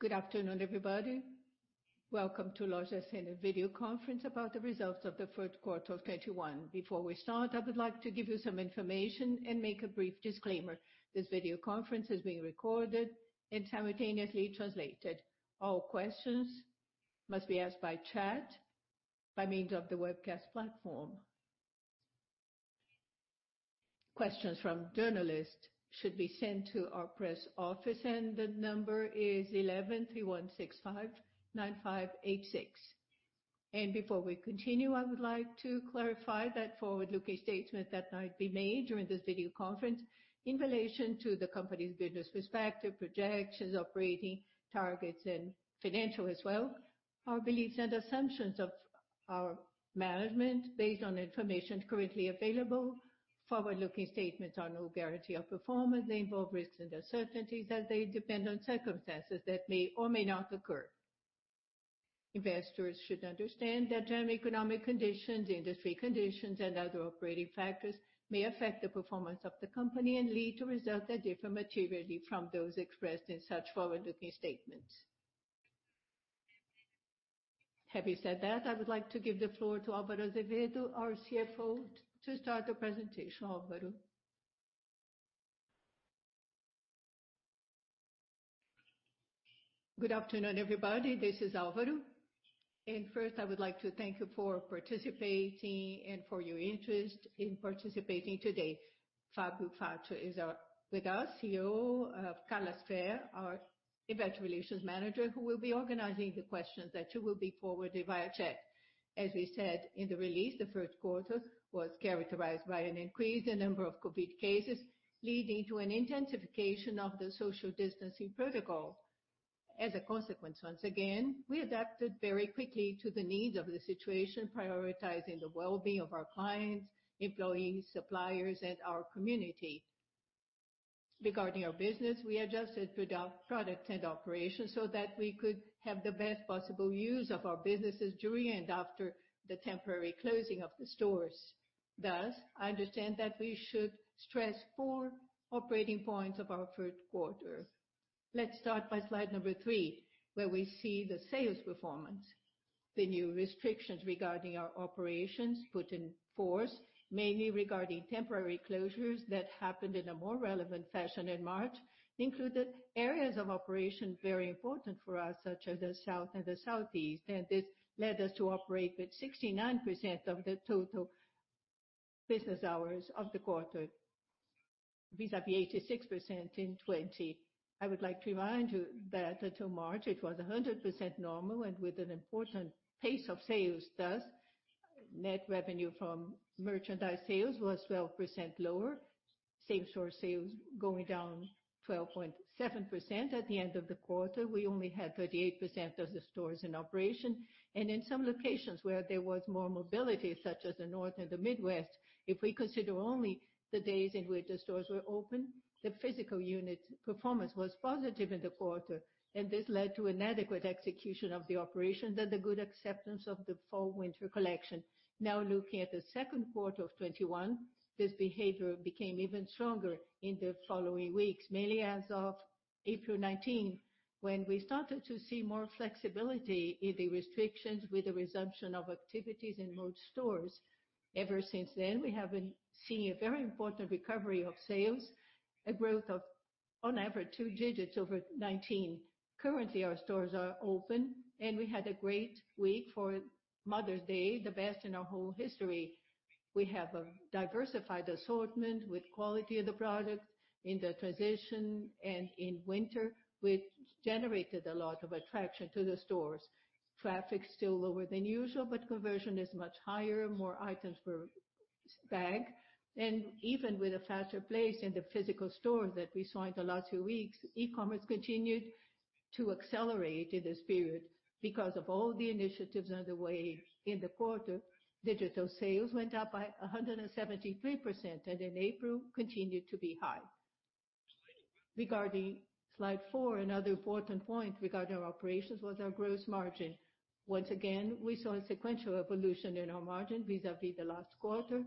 Good afternoon, everybody. Welcome to Lojas Renner video conference about the results of the first quarter of 2021. Before we start, I would like to give you some information and make a brief disclaimer. This video conference is being recorded and simultaneously translated. All questions must be asked by chat, by means of the webcast platform. Questions from journalists should be sent to our press office, and the number is 1131659586. Before we continue, I would like to clarify that forward-looking statements that might be made during this video conference in relation to the company's business perspective, projections, operating targets, and financial as well, are beliefs and assumptions of our management based on information currently available. Forward-looking statements are no guarantee of performance. They involve risks and uncertainties, as they depend on circumstances that may or may not occur. Investors should understand that general economic conditions, industry conditions, and other operating factors may affect the performance of the company and lead to results that differ materially from those expressed in such forward-looking statements. Having said that, I would like to give the floor to Alvaro Azevedo, our CFO, to start the presentation. Alvaro? Good afternoon, everybody. This is Alvaro. First, I would like to thank you for participating and for your interest in participating today. Fabio Faccio is with us, CEO. Carla Sffair, our Senior Investor Relations Manager, who will be organizing the questions that you will be forwarding via chat. As we said in the release, the first quarter was characterized by an increase in number of COVID cases, leading to an intensification of the social distancing protocol. As a consequence, once again, we adapted very quickly to the needs of the situation, prioritizing the wellbeing of our clients, employees, suppliers, and our community. Regarding our business, we adjusted product and operations so that we could have the best possible use of our businesses during and after the temporary closing of the stores. I understand that we should stress four operating points of our third quarter. Let's start by slide number three, where we see the sales performance. The new restrictions regarding our operations put in force, mainly regarding temporary closures that happened in a more relevant fashion in March, included areas of operation very important for us, such as the South and the Southeast, and this led us to operate with 69% of the total business hours of the quarter, vis-à-vis 86% in 2020. I would like to remind you that until March, it was 100% normal and with an important pace of sales. Net revenue from merchandise sales was 12% lower. Same store sales going down 12.7%. At the end of the quarter, we only had 38% of the stores in operation. In some locations where there was more mobility, such as the North and the Midwest, if we consider only the days in which the stores were open, the physical unit performance was positive in the quarter. This led to an adequate execution of the operation and the good acceptance of the fall/winter collection. Looking at the second quarter of 2021, this behavior became even stronger in the following weeks, mainly as of April 19, when we started to see more flexibility in the restrictions with the resumption of activities in most stores. Ever since then, we have been seeing a very important recovery of sales, a growth of on average two digits over 2019. Currently, our stores are open. We had a great week for Mother's Day, the best in our whole history. We have a diversified assortment with quality of the product in the transition and in winter, which generated a lot of attraction to the stores. Traffic's still lower than usual. Conversion is much higher, more items per bag. Even with a faster place in the physical store that we saw in the last two weeks, e-commerce continued to accelerate in this period because of all the initiatives underway in the quarter. Digital sales went up by 173%. In April, continued to be high. Regarding slide four, another important point regarding our operations was our gross margin. Once again, we saw a sequential evolution in our margin vis-à-vis the last quarter.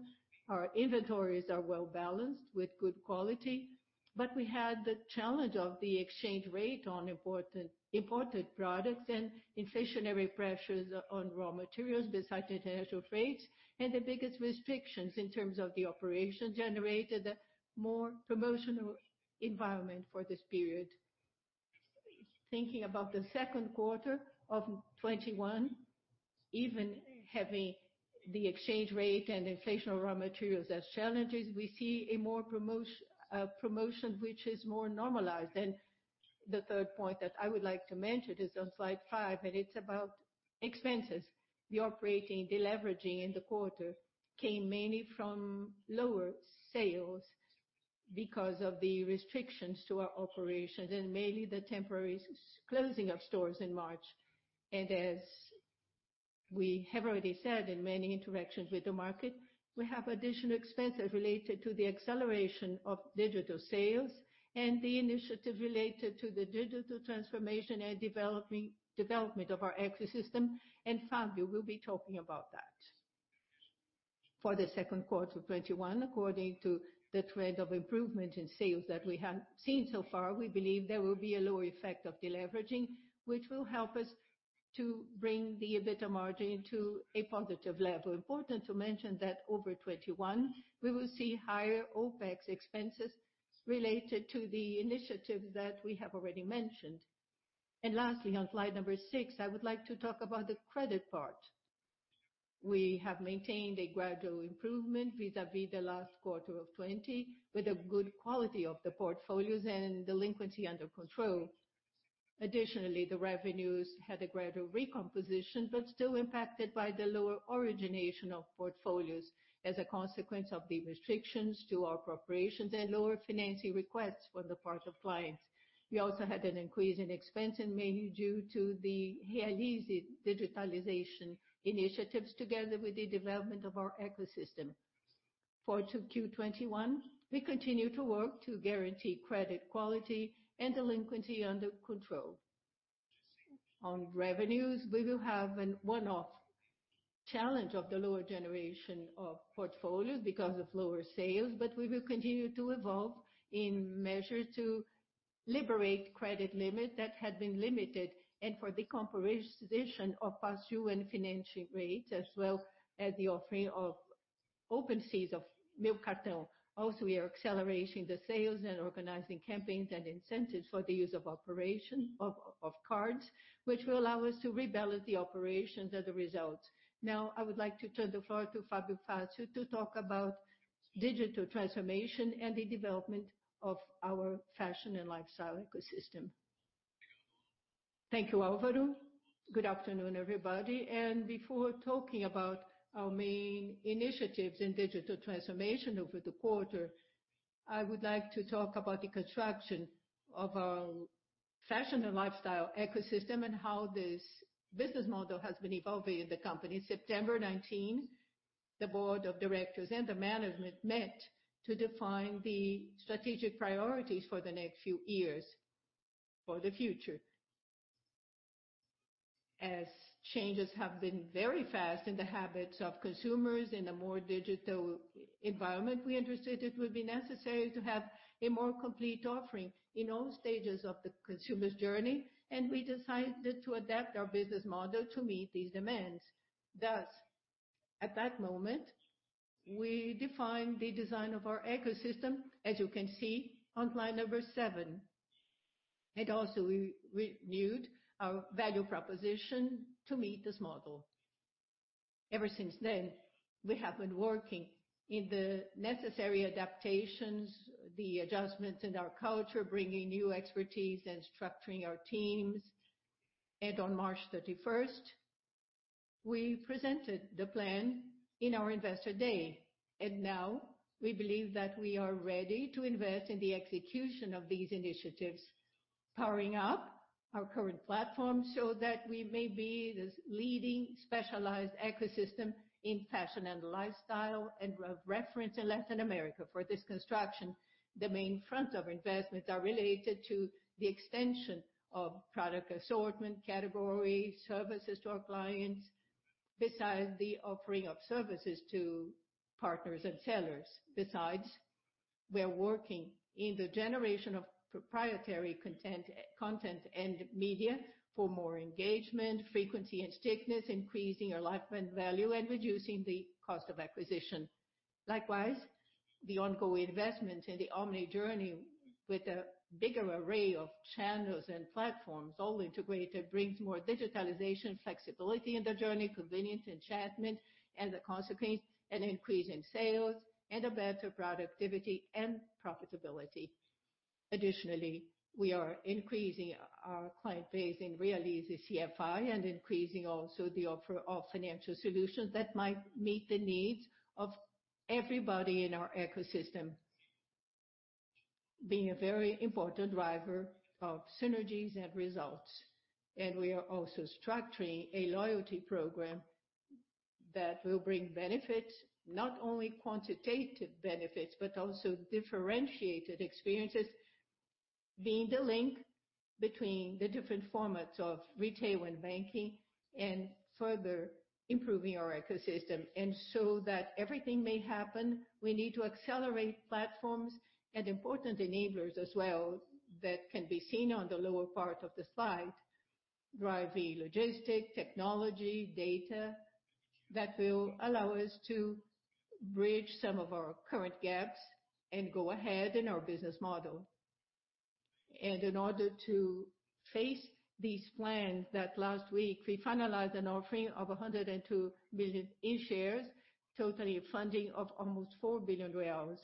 Our inventories are well-balanced with good quality, but we had the challenge of the exchange rate on imported products and inflationary pressures on raw materials beside international freights. The biggest restrictions in terms of the operation generated a more promotional environment for this period. Thinking about the second quarter of 2021, even having the exchange rate and inflation of raw materials as challenges, we see a promotion which is more normalized. The third point that I would like to mention is on slide five, and it's about expenses. The operating deleveraging in the quarter came mainly from lower sales because of the restrictions to our operations and mainly the temporary closing of stores in March. As we have already said in many interactions with the market, we have additional expenses related to the acceleration of digital sales and the initiative related to the digital transformation and development of our ecosystem. Fabio will be talking about that. For the second quarter 2021, according to the trend of improvement in sales that we have seen so far, we believe there will be a lower effect of deleveraging, which will help us to bring the EBITDA margin to a positive level. Important to mention that over 2021, we will see higher OpEx expenses related to the initiatives that we have already mentioned. Lastly, on slide number six, I would like to talk about the credit part. We have maintained a gradual improvement vis-a-vis the last quarter of 2020, with a good quality of the portfolios and delinquency under control. Additionally, the revenues had a gradual recomposition, but still impacted by the lower origination of portfolios as a consequence of the restrictions to our corporations and lower financing requests on the part of clients. We also had an increase in expense mainly due to the Realize digitalization initiatives together with the development of our ecosystem. Forward to Q21, we continue to work to guarantee credit quality and delinquency under control. On revenues, we will have an one-off challenge of the lower generation of portfolios because of lower sales, but we will continue to evolve in measures to liberate credit limit that had been limited and for the composition of past due and financing rates, as well as the offering of open fees of Meu Cartão. We are accelerating the sales and organizing campaigns and incentives for the use of operation of cards, which will allow us to rebalance the operations and the results. I would like to turn the floor to Fabio Faccio to talk about digital transformation and the development of our fashion and lifestyle ecosystem. Thank you, Alvaro. Good afternoon, everybody. Before talking about our main initiatives in digital transformation over the quarter, I would like to talk about the construction of our fashion and lifestyle ecosystem and how this business model has been evolving in the company. September 2019, the board of directors and the management met to define the strategic priorities for the next few years for the future. As changes have been very fast in the habits of consumers, in a more digital environment, we understood it would be necessary to have a more complete offering in all stages of the consumer's journey, and we decided to adapt our business model to meet these demands. Thus, at that moment, we defined the design of our ecosystem, as you can see on slide number seven. Also, we renewed our value proposition to meet this model. Ever since then, we have been working in the necessary adaptations, the adjustments in our culture, bringing new expertise and structuring our teams. On March 31st, we presented the plan in our Investor Day. Now we believe that we are ready to invest in the execution of these initiatives, powering up our current platform so that we may be this leading specialized ecosystem in fashion and lifestyle and of reference in Latin America. For this construction, the main front of investments are related to the extension of product assortment, category, services to our clients, besides the offering of services to partners and sellers. Besides, we're working in the generation of proprietary content and media for more engagement, frequency and stickiness, increasing our lifetime value and reducing the cost of acquisition. Likewise, the ongoing investment in the omni journey with a bigger array of channels and platforms all integrated, brings more digitalization, flexibility in the journey, convenience, enchantment, and the consequence, an increase in sales and a better productivity and profitability. Additionally, we are increasing our client base in Realize CFI and increasing also the offer of financial solutions that might meet the needs of everybody in our ecosystem, being a very important driver of synergies and results. We are also structuring a loyalty program that will bring benefits, not only quantitative benefits, but also differentiated experiences, being the link between the different formats of retail and banking, and further improving our ecosystem. So that everything may happen, we need to accelerate platforms and important enablers as well that can be seen on the lower part of the slide, driving logistic, technology, data that will allow us to bridge some of our current gaps and go ahead in our business model. In order to face these plans that last week we finalized an offering of 102 million in shares, totaling funding of almost 4 billion reais.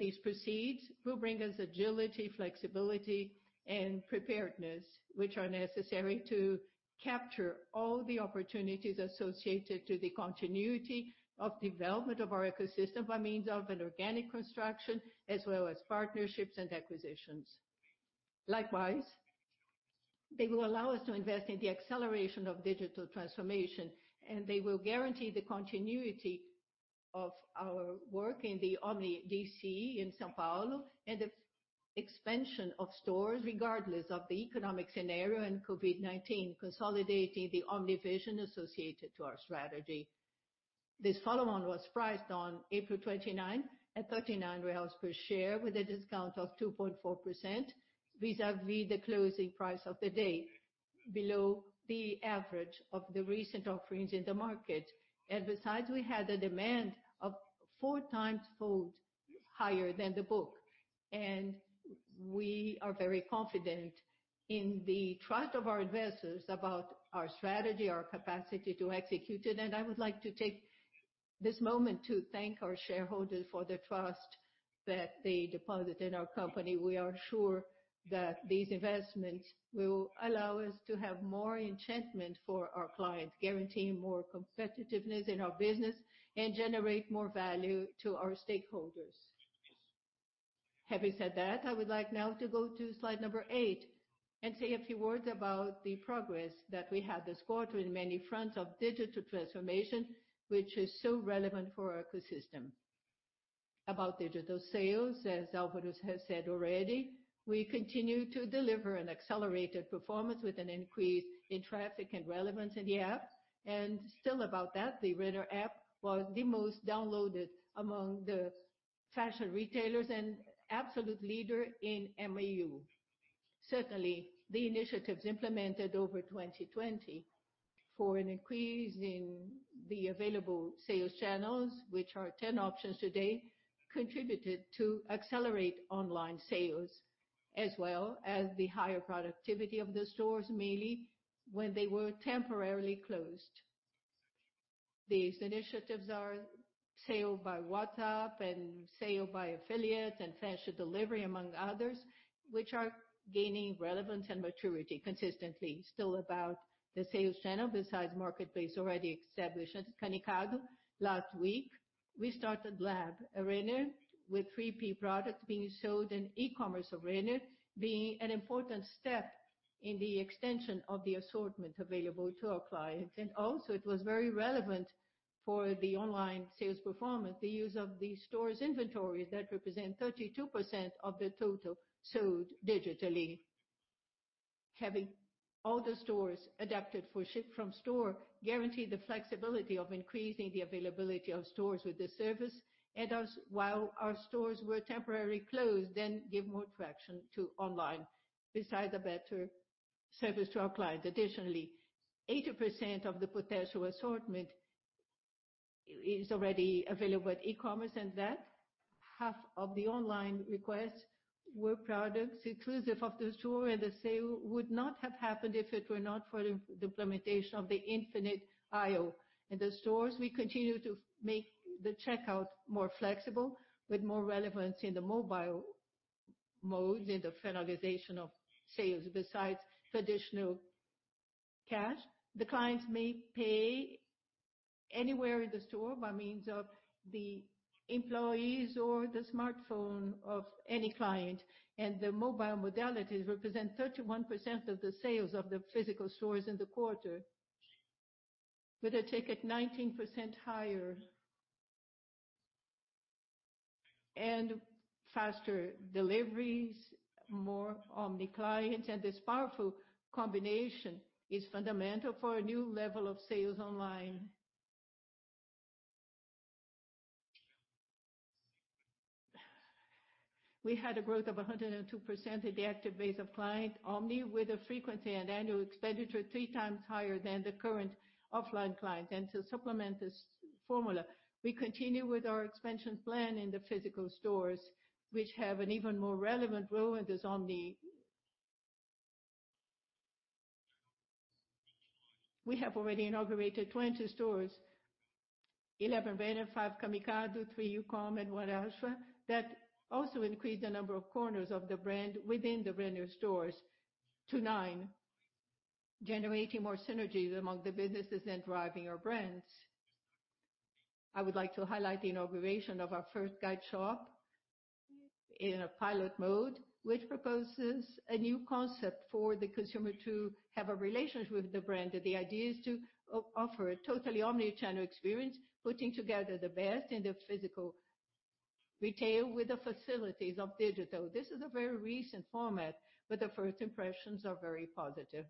These proceeds will bring us agility, flexibility, and preparedness, which are necessary to capture all the opportunities associated to the continuity of development of our ecosystem by means of an organic construction, as well as partnerships and acquisitions. Likewise, they will allow us to invest in the acceleration of digital transformation, they will guarantee the continuity of our work in the Omni DC in São Paulo and the expansion of stores regardless of the economic scenario and COVID-19, consolidating the omnivision associated to our strategy. This follow-on was priced on April 29th at 39 reais per share with a discount of 2.4% vis-à-vis the closing price of the day, below the average of the recent offerings in the market. Besides, we had a demand of four times fold higher than the book. We are very confident in the trust of our investors about our strategy, our capacity to execute it. I would like to take this moment to thank our shareholders for the trust that they deposit in our company. We are sure that these investments will allow us to have more enhancement for our clients, guaranteeing more competitiveness in our business and generate more value to our stakeholders. Having said that, I would like now to go to slide number eight and say a few words about the progress that we had this quarter in many fronts of digital transformation, which is so relevant for our ecosystem. About digital sales, as Alvaro has said already, we continue to deliver an accelerated performance with an increase in traffic and relevance in the app. Still about that, the Renner app was the most downloaded among the fashion retailers and absolute leader in MAU. Certainly, the initiatives implemented over 2020 for an increase in the available sales channels, which are 10 options today, contributed to accelerate online sales, as well as the higher productivity of the stores, mainly when they were temporarily closed. These initiatives are sale by WhatsApp and sale by affiliates and Fashion Delivery among others, which are gaining relevance and maturity consistently. About the sales channel, besides marketplace already established at Camicado, last week, we started Lab Renner with 3P product being sold in e-commerce of Renner, being an important step in the extension of the assortment available to our clients. Also, it was very relevant for the online sales performance, the use of the store's inventories that represent 32% of the total sold digitally. Having all the stores adapted for Ship from Store guarantee the flexibility of increasing the availability of stores with the service and while our stores were temporarily closed, give more traction to online besides a better service to our clients. Additionally, 80% of the potential assortment is already available at e-commerce, and that half of the online requests were products exclusive of the store, and the sale would not have happened if it were not for the implementation of the infinite aisle. In the stores, we continue to make the checkout more flexible with more relevance in the mobile mode in the finalization of sales. Besides traditional cash, the clients may pay anywhere in the store by means of the employees or the smartphone of any client, and the mobile modalities represent 31% of the sales of the physical stores in the quarter with a ticket 19% higher and faster deliveries, more omni clients. This powerful combination is fundamental for a new level of sales online. We had a growth of 102% in the active base of client omni with a frequency and annual expenditure three times higher than the current offline client. To supplement this formula, we continue with our expansion plan in the physical stores, which have an even more relevant role in this omni. We have already inaugurated 20 stores, 11 Renner, five Camicado, three Youcom, and one Ashua, that also increased the number of corners of the brand within the Renner stores to nine, generating more synergies among the businesses and driving our brands. I would like to highlight the inauguration of our first guide shop in a pilot mode, which proposes a new concept for the consumer to have a relationship with the brand. The idea is to offer a totally omnichannel experience, putting together the best in the physical retail with the facilities of digital. This is a very recent format, the first impressions are very positive.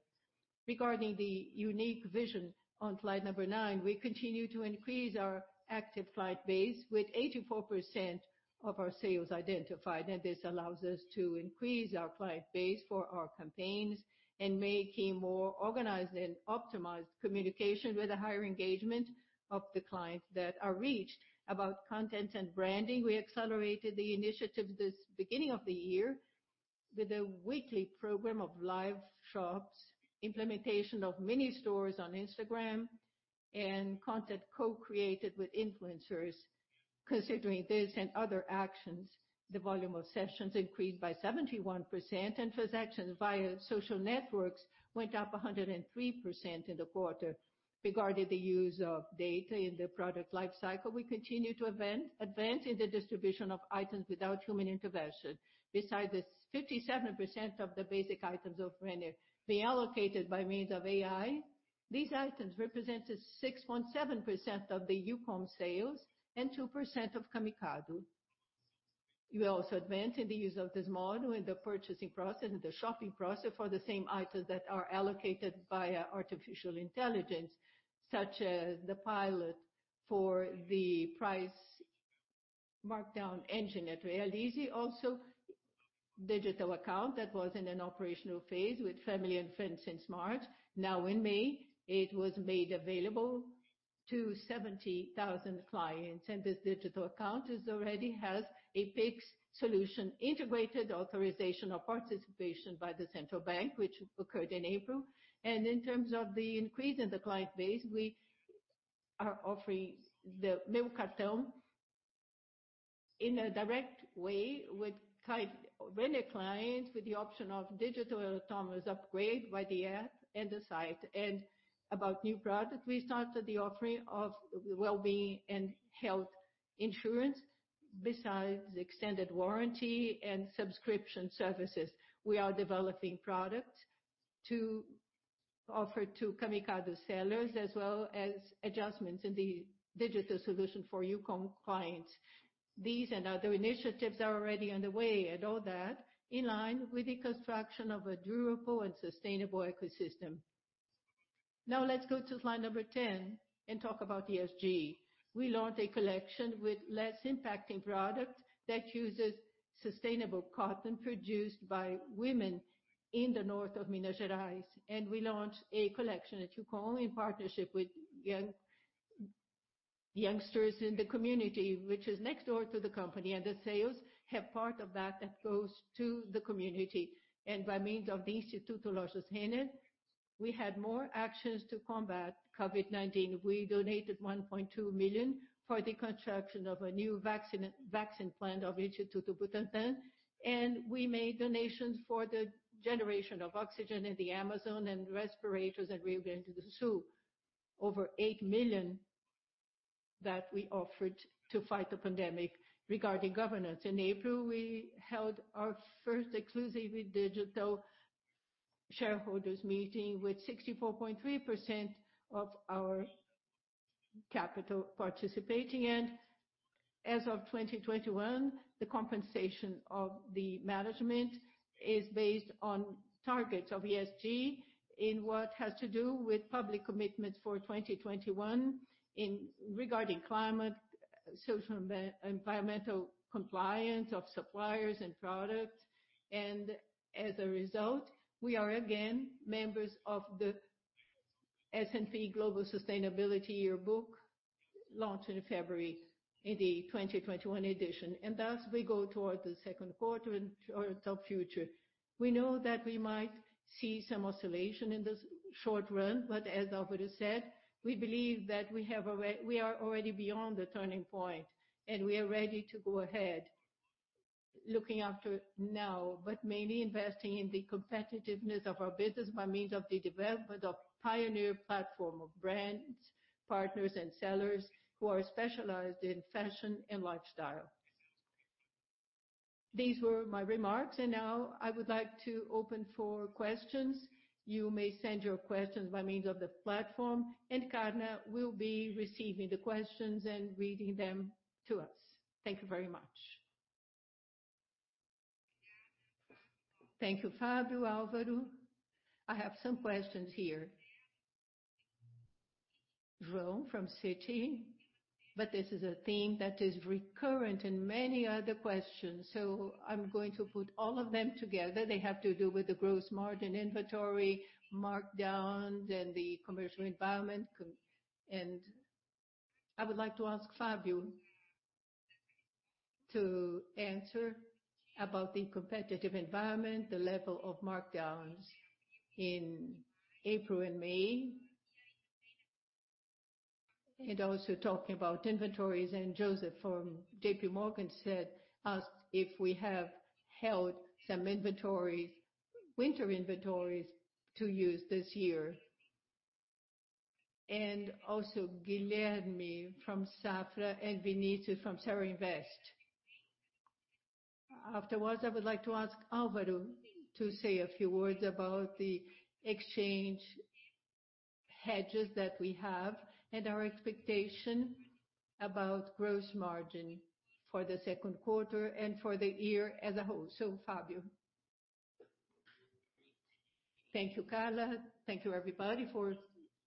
Regarding the unique vision on slide number nine, we continue to increase our active client base with 84% of our sales identified. This allows us to increase our client base for our campaigns and making more organized and optimized communication with a higher engagement of the clients that are reached. About content and branding, we accelerated the initiatives this beginning of the year with a weekly program of live shops, implementation of mini stores on Instagram, and content co-created with influencers. Considering this and other actions, the volume of sessions increased by 71%. Transactions via social networks went up 103% in the quarter. Regarding the use of data in the product life cycle, we continue to advance in the distribution of items without human intervention. Besides this, 57% of the basic items of Renner being allocated by means of AI. These items represented 6.7% of the Youcom sales and 2% of Camicado. We also advanced in the use of this module in the purchasing process and the shopping process for the same items that are allocated via artificial intelligence, such as the pilot for the price markdown engine at Realize. Digital account that was in an operational phase with family and friends since March. Now in May, it was made available to 70,000 clients. This digital account already has a Pix solution integrated authorization or participation by the Central Bank, which occurred in April. In terms of the increase in the client base, we are offering the Meu Cartão in a direct way with regular clients, with the option of digital autonomous upgrade by the app and the site. About new product, we started the offering of the wellbeing and health insurance, besides extended warranty and subscription services. We are developing products to offer to Camicado sellers, as well as adjustments in the digital solution for Youcom clients. These and other initiatives are already underway and all that in line with the construction of a durable and sustainable ecosystem. Let's go to slide number 10 and talk about ESG. We launched a collection with less impacting product that uses sustainable cotton produced by women in the north of Minas Gerais, and we launched a collection at Youcom in partnership with youngsters in the community, which is next door to the company. The sales have part of that goes to the community. By means of the Instituto Lojas Renner, we had more actions to combat COVID-19. We donated 1.2 million for the construction of a new vaccine plant of Instituto Butantan, and we made donations for the generation of oxygen in the Amazon and respirators that we have given to the SUS. Over 8 million that we offered to fight the pandemic. Regarding governance, in April, we held our first exclusively digital shareholders meeting with 64.3% of our capital participating in. As of 2021, the compensation of the management is based on targets of ESG in what has to do with public commitment for 2021 regarding climate, social, and environmental compliance of suppliers and products. As a result, we are again members of the S&P Global Sustainability Yearbook launched in February in the 2021 edition. Thus, we go toward the second quarter and towards our future. We know that we might see some oscillation in the short run, but as Alvaro said, we believe that we are already beyond the turning point, and we are ready to go ahead looking after now, but mainly investing in the competitiveness of our business by means of the development of pioneer platform of brands, partners, and sellers who are specialized in fashion and lifestyle. These were my remarks. Now I would like to open for questions. You may send your questions by means of the platform. Carla will be receiving the questions and reading them to us. Thank you very much. Thank you, Fabio, Alvaro. I have some questions here. João from Citi. This is a theme that is recurrent in many other questions. I'm going to put all of them together. They have to do with the gross margin inventory, markdowns, and the commercial environment. I would like to ask Fabio to answer about the competitive environment, the level of markdowns in April and May, and also talking about inventories. Joseph from JP Morgan asked if we have held some winter inventories to use this year. Also Guilherme from Safra and Vinicius from SaraInvest. Afterwards, I would like to ask Alvaro to say a few words about the exchange hedges that we have and our expectation about gross margin for the second quarter and for the year as a whole. Fabio. Thank you, Carla. Thank you everybody for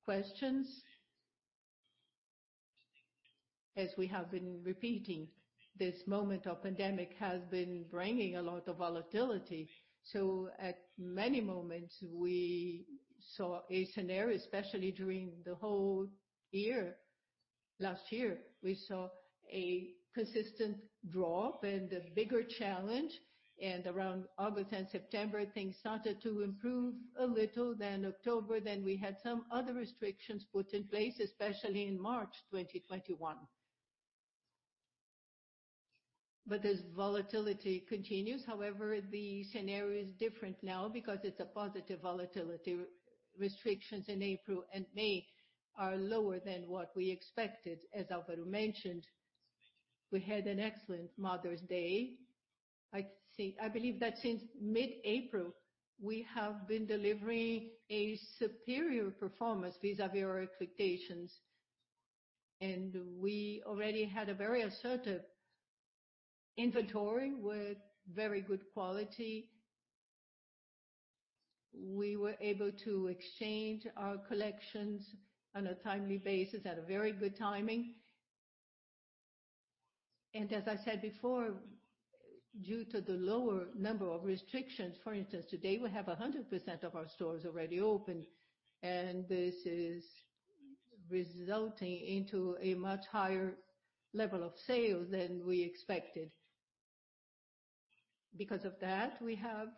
questions. As we have been repeating, this moment of pandemic has been bringing a lot of volatility. At many moments, we saw a scenario, especially during the whole year last year, we saw a persistent drop and a bigger challenge. Around August and September, things started to improve a little. October, then we had some other restrictions put in place, especially in March 2021. As volatility continues, however, the scenario is different now because it's a positive volatility. Restrictions in April and May are lower than what we expected, as Alvaro mentioned. We had an excellent Mother's Day. I believe that since mid-April, we have been delivering a superior performance vis-à-vis our expectations. We already had a very assertive inventory with very good quality. We were able to exchange our collections on a timely basis at a very good timing. As I said before, due to the lower number of restrictions, for instance, today we have 100% of our stores already open, and this is resulting into a much higher level of sales than we expected. Because of that, we have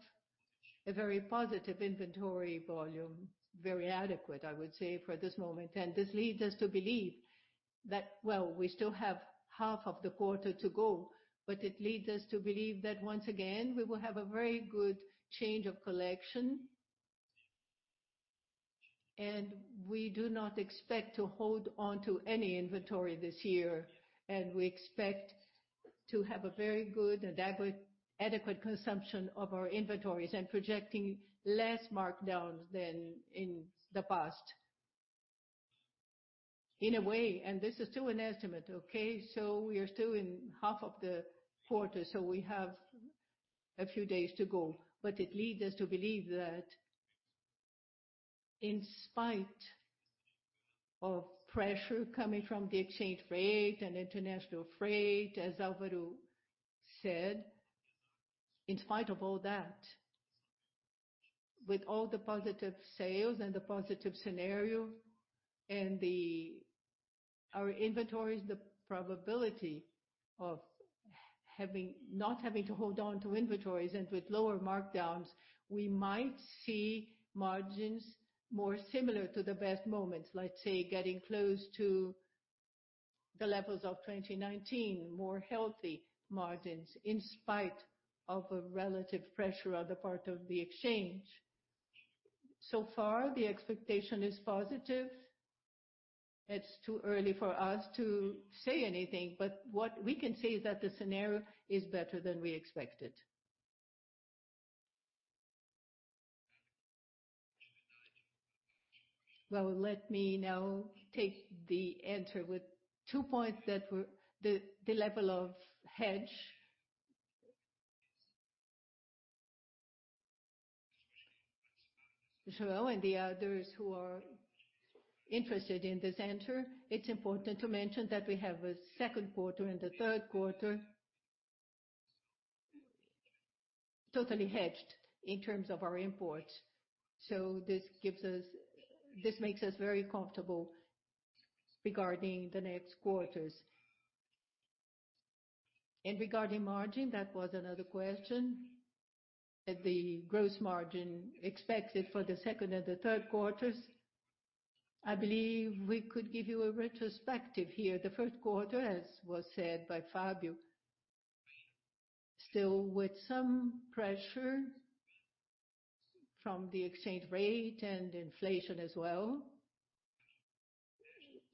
a very positive inventory volume, very adequate, I would say, for this moment. We still have half of the quarter to go, but it leads us to believe that once again, we will have a very good change of collection. We do not expect to hold onto any inventory this year, and we expect to have a very good and adequate consumption of our inventories and projecting less markdowns than in the past. In a way, this is still an estimate. We are still in half of the quarter, so we have a few days to go. It leads us to believe that in spite of pressure coming from the exchange rate and international freight, as Alvaro said, in spite of all that, with all the positive sales and the positive scenario and our inventories, the probability of not having to hold on to inventories and with lower markdowns, we might see margins more similar to the best moments, let's say getting close to the levels of 2019. More healthy margins in spite of a relative pressure on the part of the exchange. So far, the expectation is positive. It's too early for us to say anything, but what we can say is that the scenario is better than we expected. Well, let me now take the answer with two points that were the level of hedge. João and the others who are interested in this answer, it's important to mention that we have a second quarter and the third quarter totally hedged in terms of our imports. This makes us very comfortable regarding the next quarters. Regarding margin, that was another question, at the gross margin expected for the second and the third quarters. I believe we could give you a retrospective here. The first quarter, as was said by Fabio, still with some pressure from the exchange rate and inflation as well,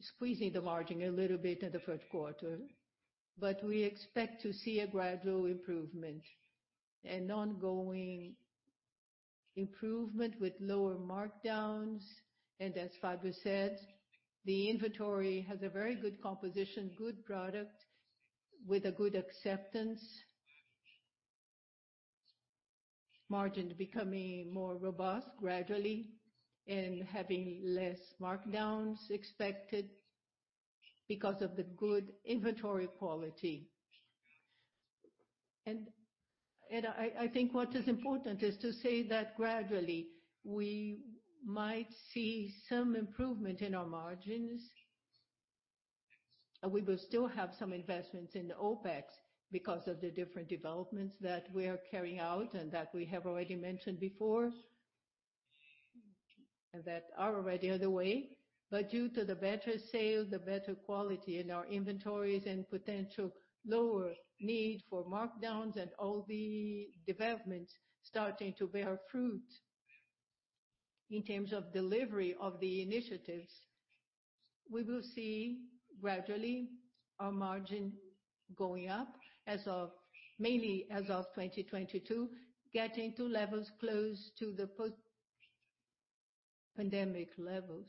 squeezing the margin a little bit in the first quarter. We expect to see a gradual improvement, an ongoing improvement with lower markdowns. As Fabio said, the inventory has a very good composition, good product with a good acceptance. Margin becoming more robust gradually and having less markdowns expected because of the good inventory quality. I think what is important is to say that gradually we might see some improvement in our margins. We will still have some investments in the OpEx because of the different developments that we are carrying out and that we have already mentioned before, and that are already on the way. Due to the better sales, the better quality in our inventories, and potential lower need for markdowns and all the developments starting to bear fruit in terms of delivery of the initiatives, we will see gradually our margin going up mainly as of 2022, getting to levels close to the post-pandemic levels.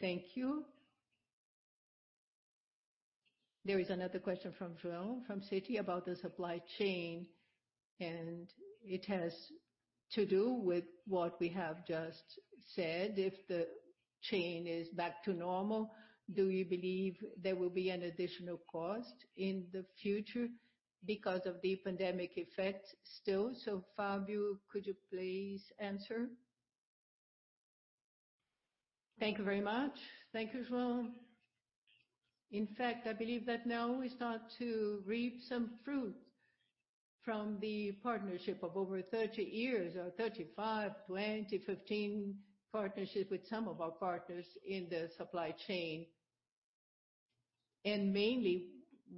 Thank you. There is another question from João, from Citi, about the supply chain, and it has to do with what we have just said. If the chain is back to normal, do you believe there will be an additional cost in the future because of the pandemic effect still? Fabio, could you please answer? Thank you very much. Thank you, João. In fact, I believe that now we start to reap some fruit from the partnership of over 30 years or 35, 20, 15 partnerships with some of our partners in the supply chain. Mainly,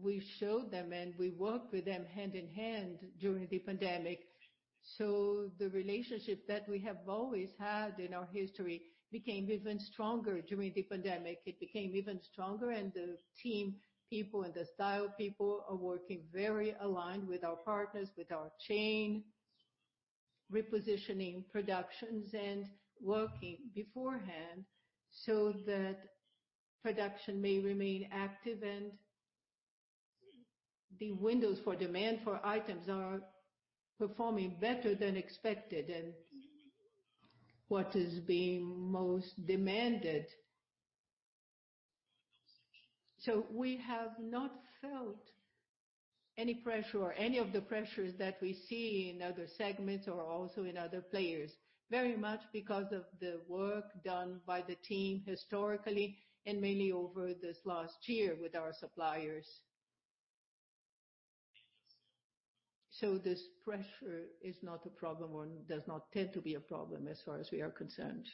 we showed them and we worked with them hand in hand during the pandemic. The relationship that we have always had in our history became even stronger during the pandemic. It became even stronger, and the team people and the style people are working very aligned with our partners, with our chain, repositioning productions, and working beforehand so that production may remain active and the windows for demand for items are performing better than expected, and what is being most demanded. We have not felt any pressure or any of the pressures that we see in other segments or also in other players, very much because of the work done by the team historically and mainly over this last year with our suppliers. This pressure is not a problem or does not tend to be a problem as far as we are concerned.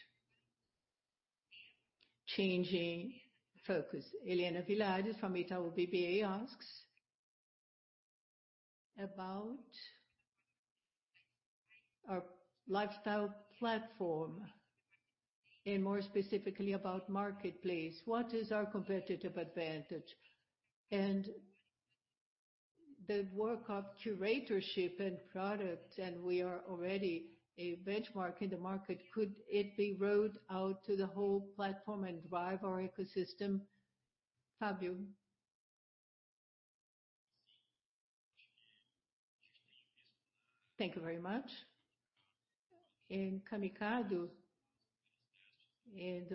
Changing focus. Helena Villares from Itaú BBA asks about our lifestyle platform and more specifically about marketplace. What is our competitive advantage? The work of curatorship and product, we are already a benchmark in the market, could it be rolled out to the whole platform and drive our ecosystem? Fabio. Thank you very much. In Camicado,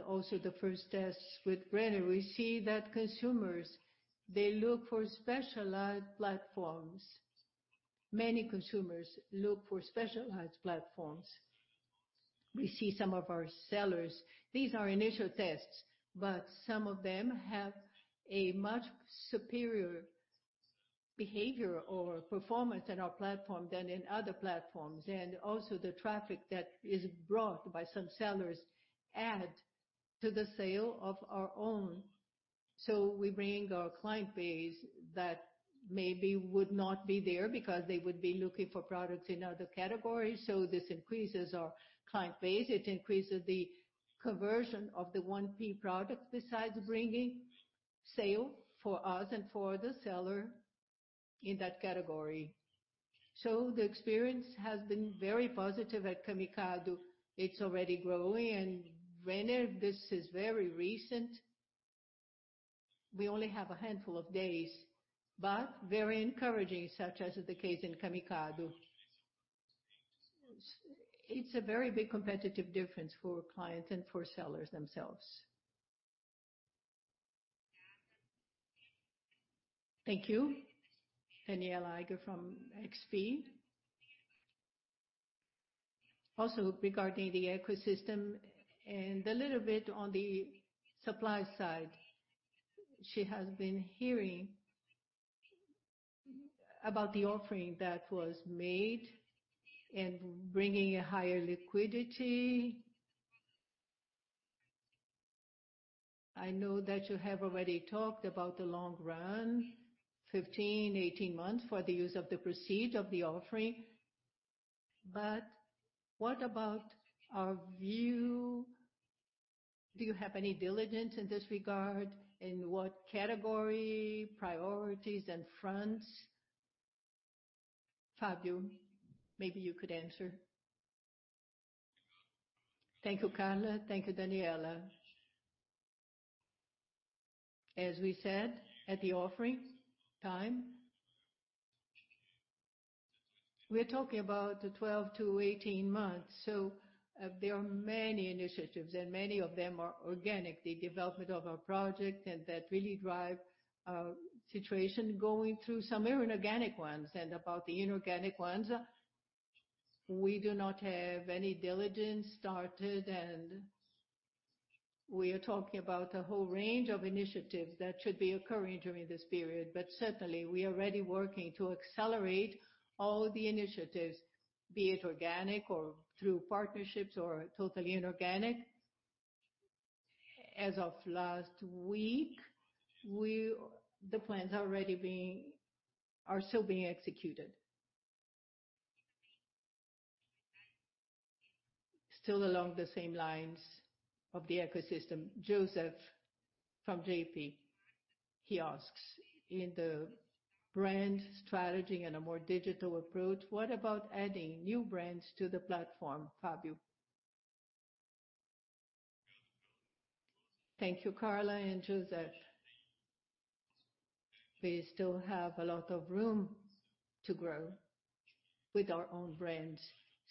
also the first tests with Renner, we see that consumers, they look for specialized platforms. Many consumers look for specialized platforms. We see some of our sellers. These are initial tests, but some of them have a much superior behavior or performance in our platform than in other platforms. Also the traffic that is brought by some sellers add to the sale of our own. We bring our client base that maybe would not be there because they would be looking for products in other categories. This increases our client base. It increases the conversion of the 1P products besides bringing sale for us and for the seller in that category. The experience has been very positive at Camicado. It's already growing. Renner, this is very recent. We only have a handful of days, but very encouraging, such as the case in Camicado. It's a very big competitive difference for clients and for sellers themselves. Thank you. Danniela Eiger from XP. Also regarding the ecosystem and a little bit on the supply side. She has been hearing about the offering that was made and bringing a higher liquidity. I know that you have already talked about the long run, 15, 18 months for the use of the proceed of the offering, but what about our view? Do you have any diligence in this regard? In what category, priorities, and fronts? Fabio, maybe you could answer. Thank you, Carla. Thank you, Danniela. As we said at the offering time, we're talking about 12 to 18 months. There are many initiatives, and many of them are organic, the development of our project, and that really drive our situation, going through some inorganic ones. About the inorganic ones, we do not have any diligence started, and we are talking about a whole range of initiatives that should be occurring during this period. Certainly, we are already working to accelerate all the initiatives, be it organic or through partnerships or totally inorganic. As of last week, the plans are still being executed. Along the same lines of the ecosystem, Joseph from JP. He asks, in the brand strategy and a more digital approach, what about adding new brands to the platform, Fabio? Thank you, Carla and Joseph. We still have a lot of room to grow with our own brands.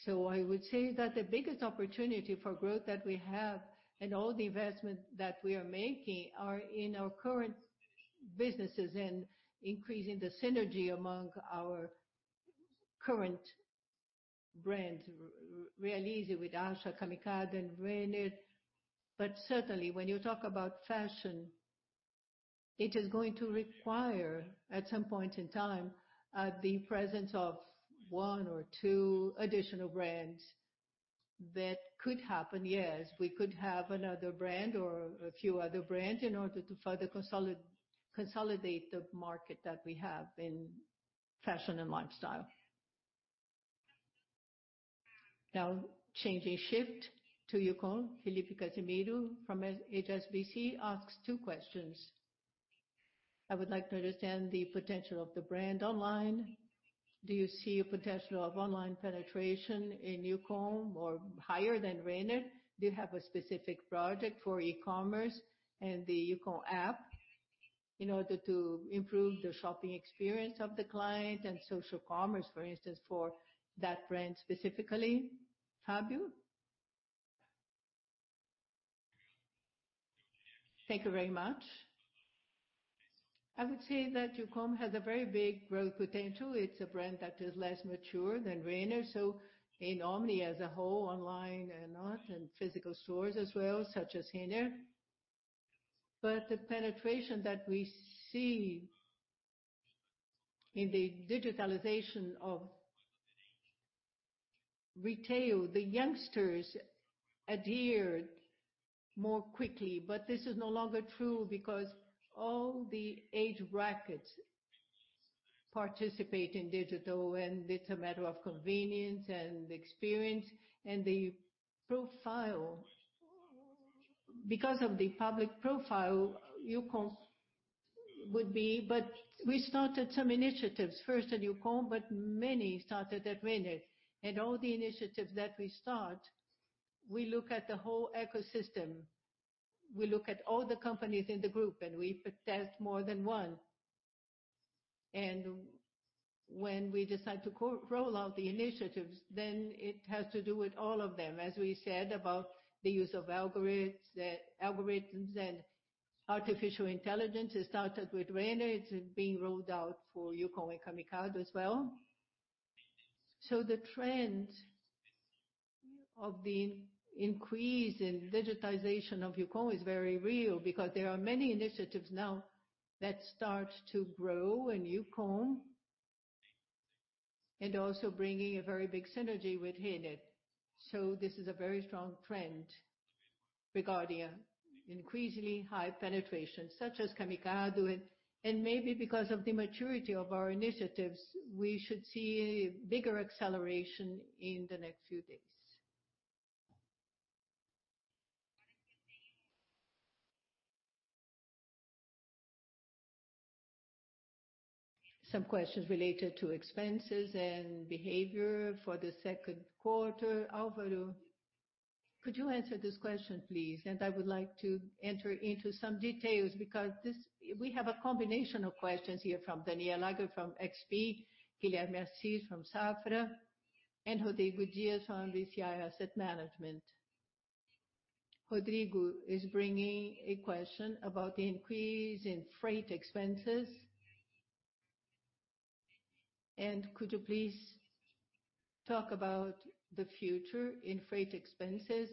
I would say that the biggest opportunity for growth that we have and all the investment that we are making are in our current businesses and increasing the synergy among our current brands, Realize with Ashua, Camicado, and Renner. Certainly, when you talk about fashion, it is going to require, at some point in time, the presence of one or two additional brands. That could happen, yes. We could have another brand or a few other brands in order to further consolidate the market that we have in fashion and lifestyle. Changing shift to Youcom, Felipe Casimiro from HSBC asks two questions. I would like to understand the potential of the brand online. Do you see a potential of online penetration in Youcom more higher than Renner? Do you have a specific project for e-commerce and the Youcom app in order to improve the shopping experience of the client and social commerce, for instance, for that brand specifically? Fabio? Thank you very much. I would say that Youcom has a very big growth potential. It's a brand that is less mature than Renner, so in omni as a whole, and physical stores as well, such as Renner. The penetration that we see in the digitalization of retail, the youngsters adhered more quickly. This is no longer true because all the age brackets participate in digital, and it's a matter of convenience and experience, and the profile. We started some initiatives, first at Youcom, but many started at Renner. All the initiatives that we start, we look at the whole ecosystem, we look at all the companies in the group, and we test more than one. When we decide to roll out the initiatives, then it has to do with all of them. As we said about the use of algorithms and artificial intelligence, it started with Renner. It's being rolled out for Youcom and Camicado as well. The trend of the increase in digitization of Youcom is very real because there are many initiatives now that start to grow in Youcom, and also bringing a very big synergy with Renner. This is a very strong trend regarding increasingly high penetration, such as Camicado. Maybe because of the maturity of our initiatives, we should see a bigger acceleration in the next few days. Some questions related to expenses and behavior for the second quarter. Alvaro, could you answer this question, please? I would like to enter into some details because we have a combination of questions here from Danniela Eiger from XP, Guilherme Assis from Safra, and Rodrigo Dias from [VCI Asset Management]. Rodrigo is bringing a question about the increase in freight expenses. Could you please talk about the future in freight expenses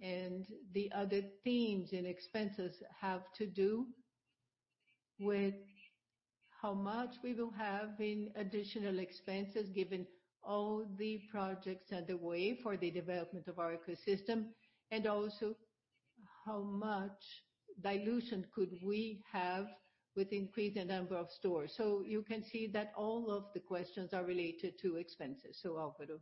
and the other themes in expenses have to do with how much we will have in additional expenses given all the projects underway for the development of our ecosystem, and also how much dilution could we have with increased number of stores? You can see that all of the questions are related to expenses. So Alvaro.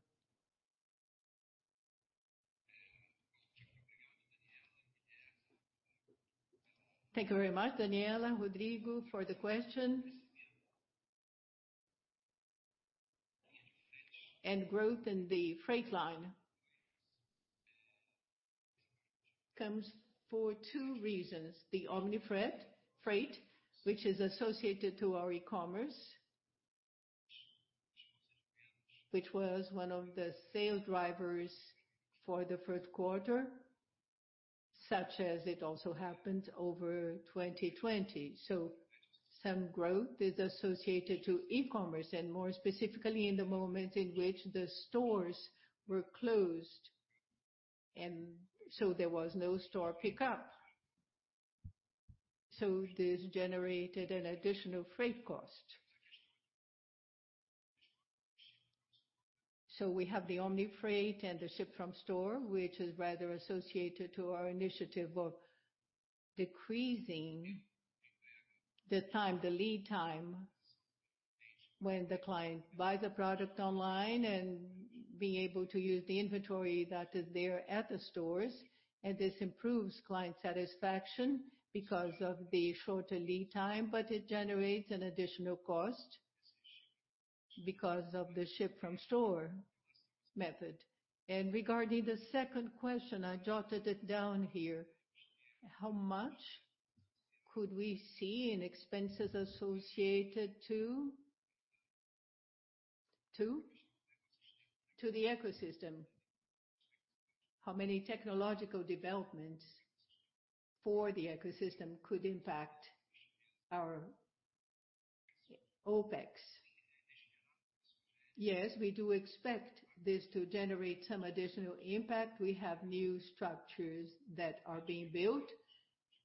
Thank you very much, Danniela, Rodrigo, for the questions. Growth in the freight line comes for two reasons. The omni freight, which is associated to our e-commerce, which was one of the sale drivers for the first quarter, such as it also happened over 2020. Some growth is associated to e-commerce, and more specifically in the moment in which the stores were closed, there was no store pickup. This generated an additional freight cost. We have the omni freight and the Ship from Store, which is rather associated to our initiative of decreasing the time, the lead time when the client buys a product online and being able to use the inventory that is there at the stores. This improves client satisfaction because of the shorter lead time, but it generates an additional cost because of the Ship from Store method. Regarding the second question, I jotted it down here. How much could we see in expenses associated to the ecosystem? How many technological developments for the ecosystem could impact our OpEx? Yes, we do expect this to generate some additional impact. We have new structures that are being built.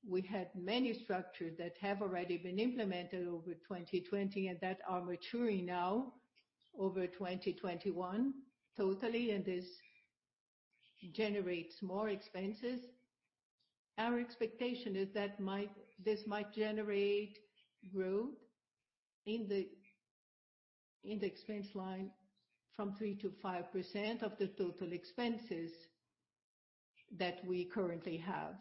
We had many structures that have already been implemented over 2020, and that are maturing now over 2021 totally, and this generates more expenses. Our expectation is that this might generate growth in the expense line from 3%-5% of the total expenses that we currently have.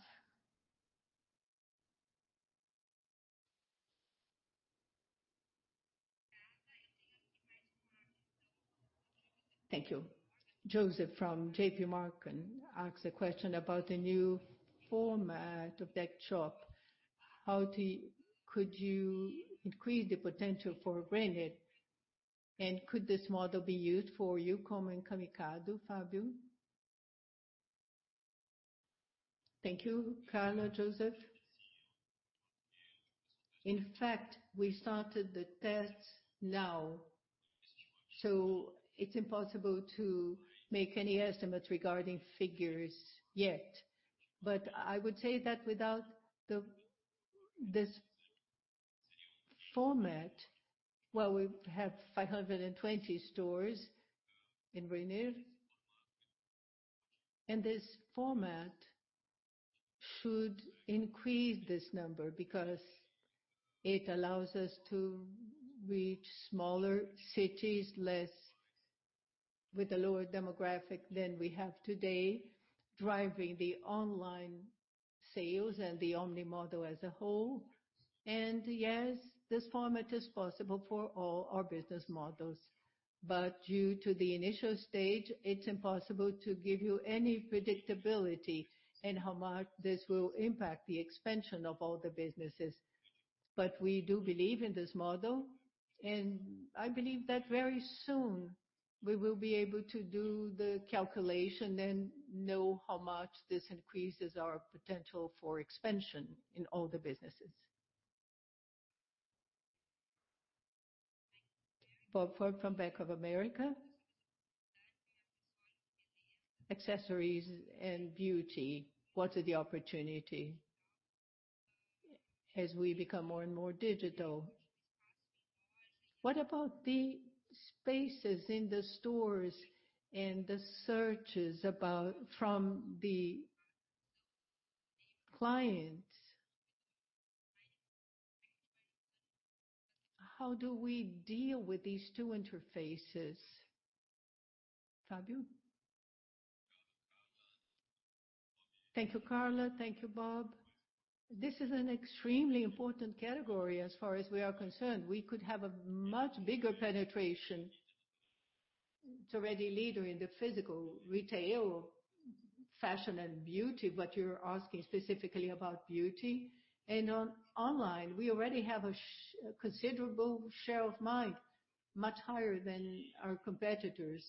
Thank you. Joseph from J.P. Morgan asks a question about the new format of that shop. How could you increase the potential for Renner, and could this model be used for Youcom and Camicado, Fabio? Thank you, Carla, Joseph. In fact, we started the tests now, so it's impossible to make any estimates regarding figures yet. I would say that without this format, while we have 520 stores in Renner, this format should increase this number because it allows us to reach smaller cities with a lower demographic than we have today, driving the online sales and the omni model as a whole. Yes, this format is possible for all our business models. Due to the initial stage, it's impossible to give you any predictability in how much this will impact the expansion of all the businesses. We do believe in this model, and I believe that very soon we will be able to do the calculation and know how much this increases our potential for expansion in all the businesses. Robert Ford from Bank of America. Accessories and beauty. What is the opportunity as we become more and more digital? What about the spaces in the stores and the searches from the clients? How do we deal with these two interfaces, Fabio? Thank you, Carla. Thank you, Bob. This is an extremely important category as far as we are concerned. We could have a much bigger penetration. It's already a leader in the physical retail, fashion, and beauty. You're asking specifically about beauty. On online, we already have a considerable share of mind, much higher than our competitors.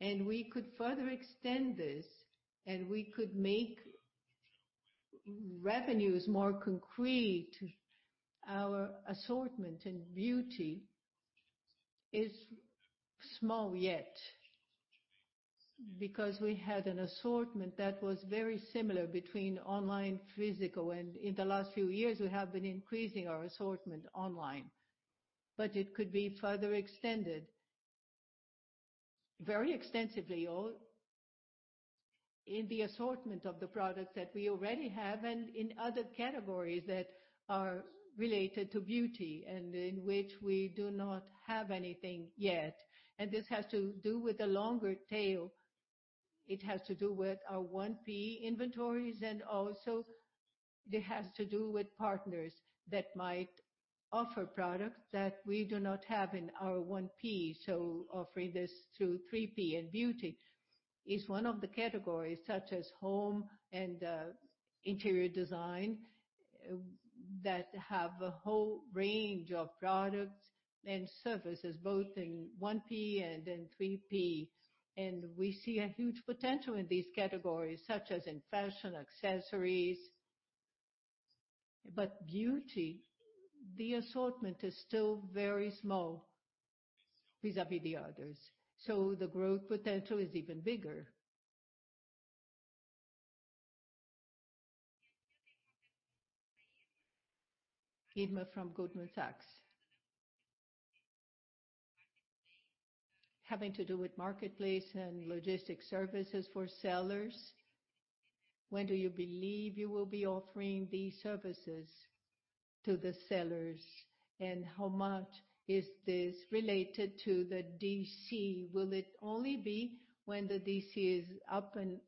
We could further extend this, and we could make revenues more concrete. Our assortment in beauty is small yet, because we had an assortment that was very similar between online, physical, and in the last few years, we have been increasing our assortment online. It could be further extended very extensively in the assortment of the products that we already have and in other categories that are related to beauty and in which we do not have anything yet. This has to do with a longer tail. It has to do with our 1P inventories, and also it has to do with partners that might offer products that we do not have in our 1P, so offering this through 3P. Beauty is one of the categories, such as home and interior design, that have a whole range of products and services, both in 1P and in 3P. We see a huge potential in these categories, such as in fashion accessories. Beauty, the assortment is still very small vis-à-vis the others, so the growth potential is even bigger. Irma from Goldman Sachs. Having to do with marketplace and logistic services for sellers, when do you believe you will be offering these services to the sellers, and how much is this related to the DC? Will it only be when the DC is up and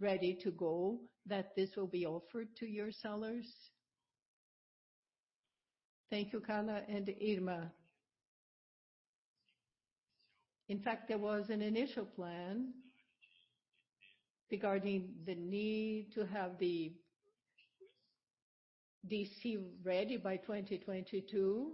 ready to go that this will be offered to your sellers? Thank you, Carla and Irma. There was an initial plan regarding the need to have the DC ready by 2022.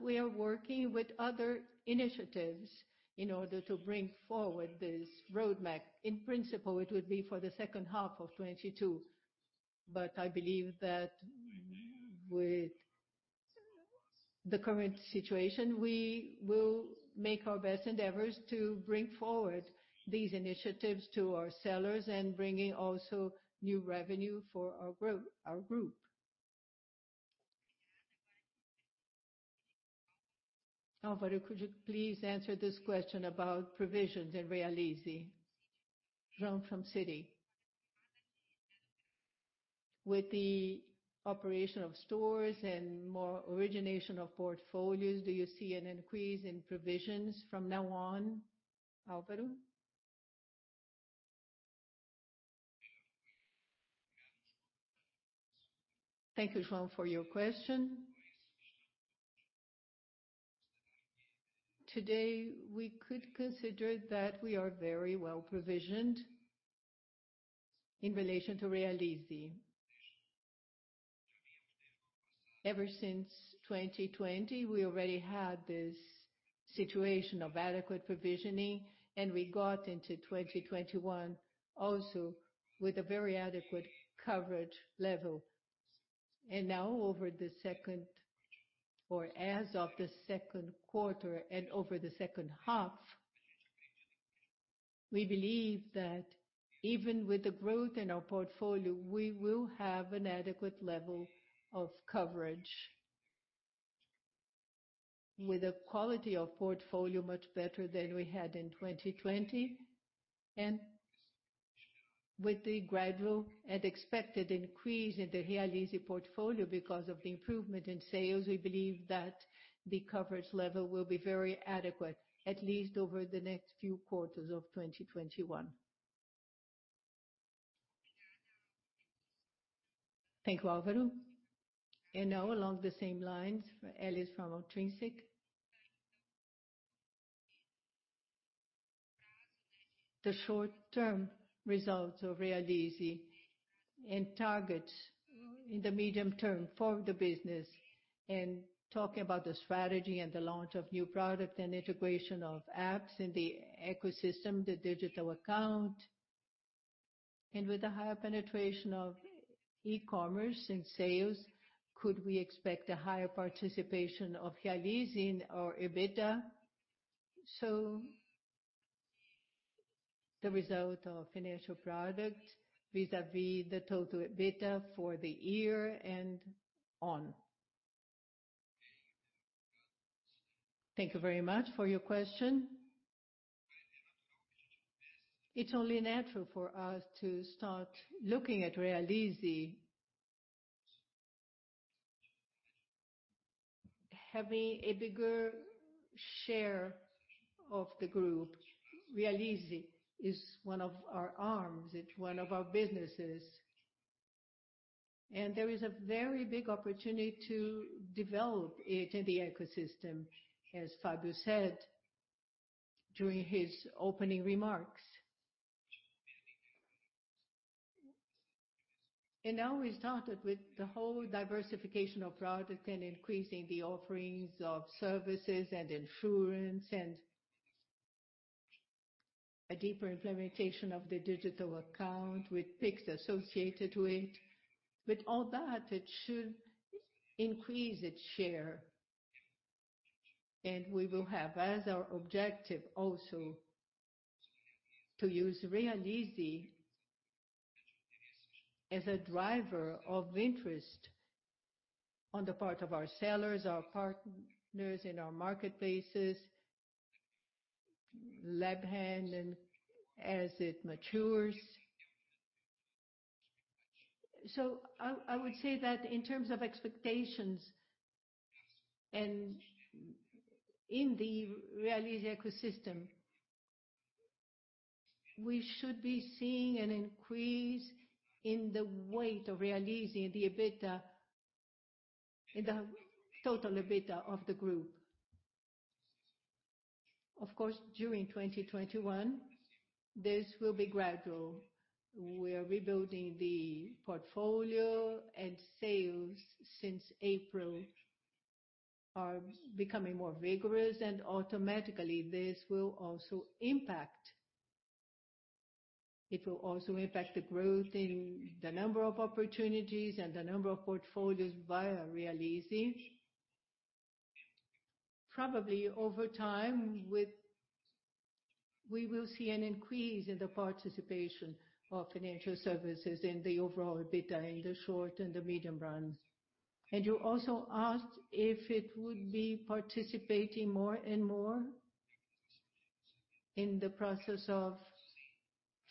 We are working with other initiatives in order to bring forward this roadmap. In principle, it would be for the second half of 2022, but I believe that with the current situation, we will make our best endeavors to bring forward these initiatives to our sellers and bringing also new revenue for our group. Alvaro, could you please answer this question about provisions in Realize? João from Citi. With the operation of stores and more origination of portfolios, do you see an increase in provisions from now on, Alvaro? Thank you, João, for your question. Today, we could consider that we are very well provisioned in relation to Realize. Ever since 2020, we already had this situation of adequate provisioning. We got into 2021 also with a very adequate coverage level. Now, as of the second quarter and over the second half, we believe that even with the growth in our portfolio, we will have an adequate level of coverage with a quality of portfolio much better than we had in 2020. With the gradual and expected increase in the Realize portfolio because of the improvement in sales, we believe that the coverage level will be very adequate, at least over the next few quarters of 2021. Thank you, Alvaro. Now along the same lines, Elis from Intrinsic. The short-term results of Realize and targets in the medium term for the business and talking about the strategy and the launch of new product and integration of apps in the ecosystem, the digital account. With the higher penetration of e-commerce and sales, could we expect a higher participation of Realize in our EBITDA? The result of financial product vis-a-vis the total EBITDA for the year and on. Thank you very much for your question. It's only natural for us to start looking at Realize having a bigger share of the group. Realize is one of our arms. It's one of our businesses. There is a very big opportunity to develop it in the ecosystem, as Fabio said during his opening remarks. Now we started with the whole diversification of product and increasing the offerings of services and insurance and a deeper implementation of the digital account with Pix associated with. With all that, it should increase its share. We will have as our objective also to use Realize as a driver of interest on the part of our sellers, our partners in our marketplaces, Lab Renner and as it matures. I would say that in terms of expectations and in the Realize ecosystem, we should be seeing an increase in the weight of Realize in the total EBITDA of the group. Of course, during 2021, this will be gradual. We are rebuilding the portfolio and sales since April are becoming more vigorous and automatically this will also impact the growth in the number of opportunities and the number of portfolios via Realize. Probably over time, we will see an increase in the participation of financial services in the overall EBITDA in the short and the medium run. You also asked if it would be participating more and more in the process of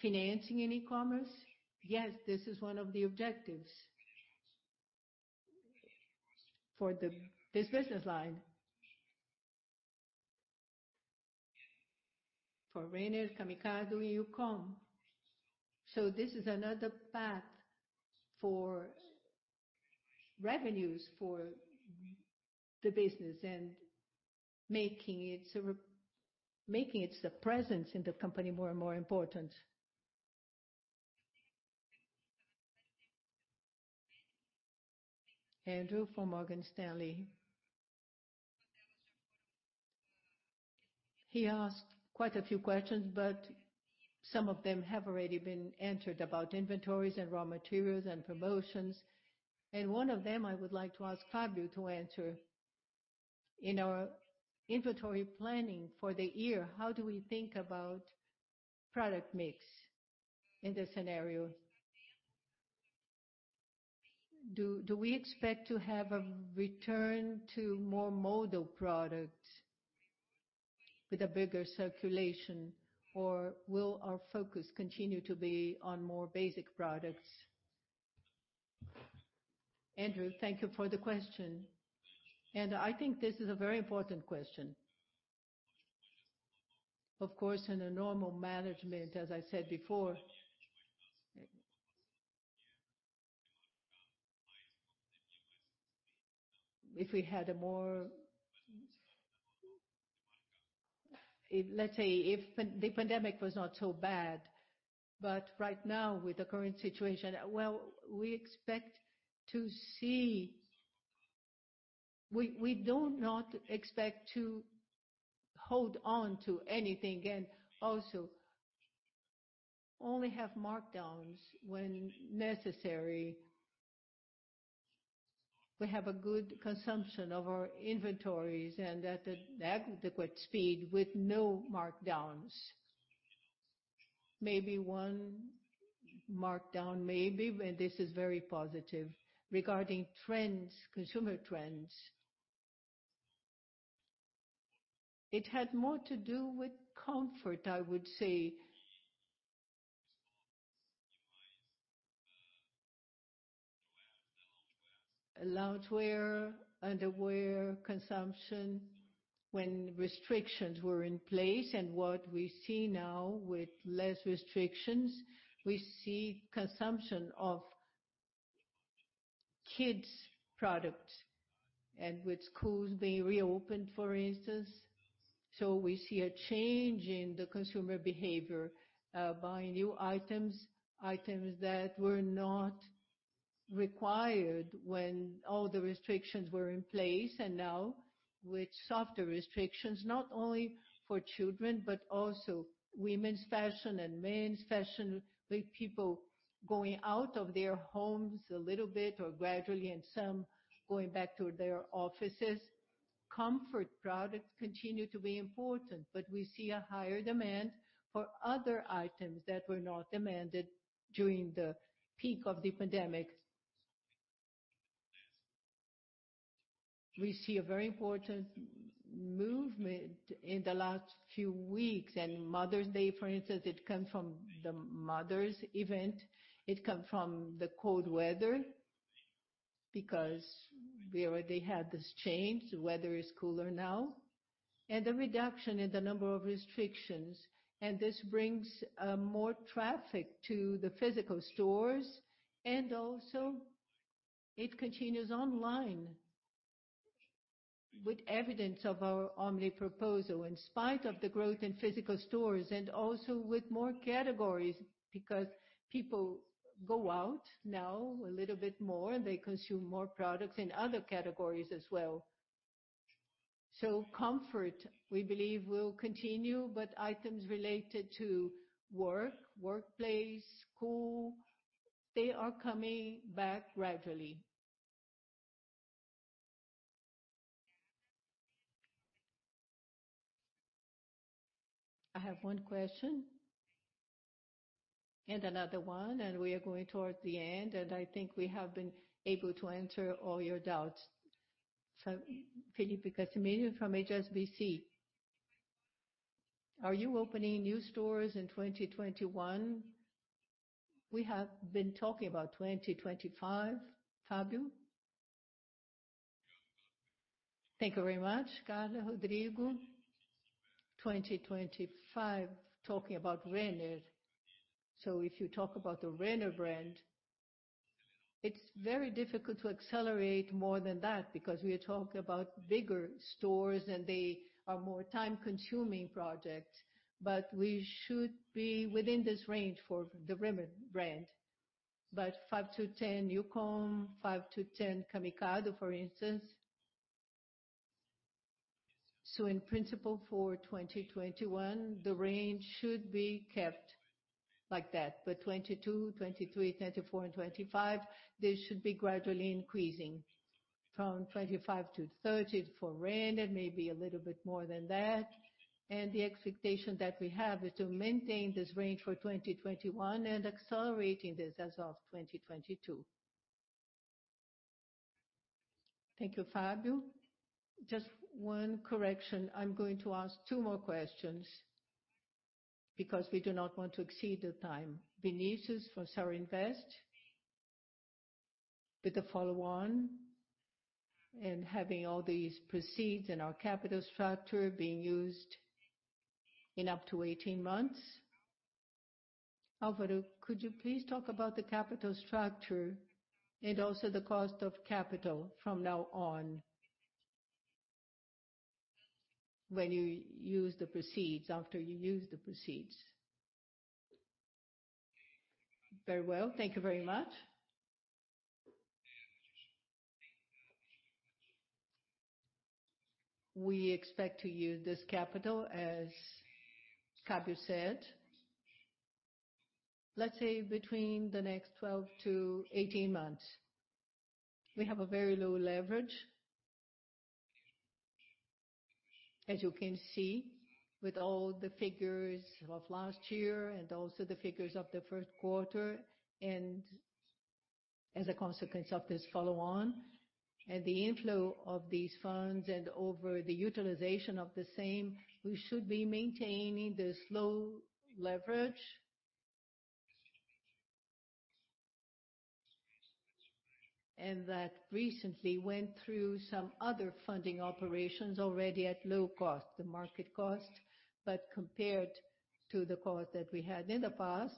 financing in e-commerce. Yes, this is one of the objectives for this business line. For Renner, Camicado, and Youcom. This is another path for revenues for the business and making its presence in the company more and more important. Andrew from Morgan Stanley. He asked quite a few questions, but some of them have already been answered about inventories and raw materials and promotions. One of them, I would like to ask Fabio to answer. In our inventory planning for the year, how do we think about product mix in this scenario? Do we expect to have a return to more modal products with a bigger circulation, or will our focus continue to be on more basic products? Andrew, thank you for the question. I think this is a very important question. Of course, in a normal management, as I said before, if we had, let's say, if the pandemic was not so bad. Right now, with the current situation, we do not expect to hold on to anything and also only have markdowns when necessary. We have a good consumption of our inventories and at adequate speed with no markdowns. Maybe one markdown, maybe. This is very positive. Regarding trends, consumer trends, it had more to do with comfort, I would say. Loungewear, underwear consumption when restrictions were in place, and what we see now with less restrictions, we see consumption of kids' products and with schools being reopened, for instance. We see a change in the consumer behavior, buying new items that were not required when all the restrictions were in place. Now, with softer restrictions, not only for children, but also women's fashion and men's fashion, with people going out of their homes a little bit or gradually, and some going back to their offices. Comfort products continue to be important, but we see a higher demand for other items that were not demanded during the peak of the pandemic. We see a very important movement in the last few weeks. Mother's Day, for instance, it comes from the mother's event. It comes from the cold weather because we already had this change. The weather is cooler now. A reduction in the number of restrictions, this brings more traffic to the physical stores. Also it continues online with evidence of our omni proposal, in spite of the growth in physical stores and also with more categories. Because people go out now a little bit more, and they consume more products in other categories as well. Comfort, we believe, will continue, but items related to work, workplace, school, they are coming back gradually. I have one question. Another one, we are going towards the end, I think we have been able to answer all your doubts. Felipe Casimiro from HSBC, are you opening new stores in 2021? We have been talking about 2025. Fabio? Thank you very much, Carla [Rordigo]. 2025, talking about Renner. If you talk about the Renner brand, it is very difficult to accelerate more than that because we are talking about bigger stores, and they are more time-consuming projects. We should be within this range for the Renner brand. 5-10 Youcom, 5-10 Camicado, for instance. In principle, for 2021, the range should be kept like that. 2022, 2023, 2024, and 2025, this should be gradually increasing from 25 to 30 for Renner, maybe a little bit more than that. The expectation that we have is to maintain this range for 2021 and accelerating this as of 2022. Thank you, Fabio. Just one correction. I am going to ask two more questions because we do not want to exceed the time. Vinicius from SaraInvest with the follow-on and having all these proceeds and our capital structure being used in up to 18 months. Alvaro, could you please talk about the capital structure and also the cost of capital from now on, when you use the proceeds, after you use the proceeds? Very well. Thank you very much. We expect to use this capital, as Fabio said, let's say between the next 12 to 18 months. We have a very low leverage, as you can see with all the figures of last year and also the figures of the first quarter. As a consequence of this follow-on and the inflow of these funds and over the utilization of the same, we should be maintaining this low leverage. That recently went through some other funding operations already at low cost, the market cost. Compared to the cost that we had in the past,